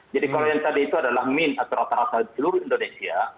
jadi kalau yang tadi itu adalah min atau rata rata seluruh indonesia